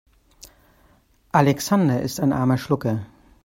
Alexander ist ein armer Schlucker.